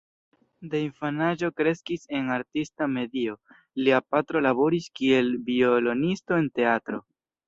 De infanaĝo kreskis en artista medio: lia patro laboris kiel violonisto en teatro.